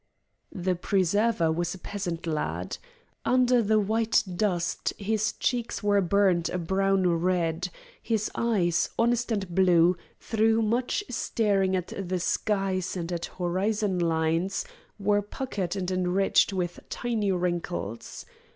The preserver was a peasant lad. Under the white dust his cheeks were burned a brown red, his eyes, honest and blue, through much staring at the skies and at horizon lines, were puckered and encircled with tiny wrinkles.